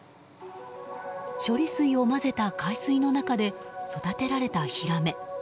処理水を混ぜた海水の中で育てられたヒラメ。